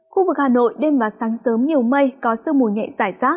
khu vực hà nội đêm và sáng sớm nhiều mây có sức mùi nhẹ dài rác